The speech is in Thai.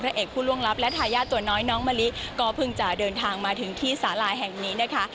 เอกผู้ล่วงลับและทายาทตัวน้อยน้องมะลิก็เพิ่งจะเดินทางมาถึงที่สาลาแห่งนี้นะคะ